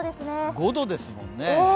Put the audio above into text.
５度ですもんね。